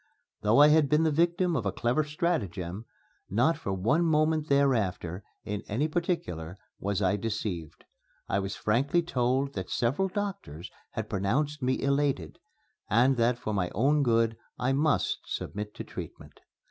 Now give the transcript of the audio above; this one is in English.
Though I had been the victim of a clever stratagem, not for one moment thereafter, in any particular, was I deceived. I was frankly told that several doctors had pronounced me elated, and that for my own good I must submit to treatment.